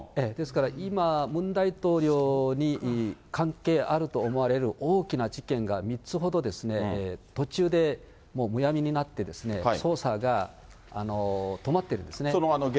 今、ムン大統領に関係あると思われる大きな事件が３つほど、途中でもううやむやになって、捜査が止まってるんですね。